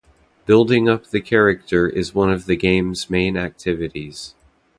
Building up the character is one of the game's main activities.